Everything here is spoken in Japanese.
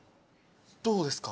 どうですか？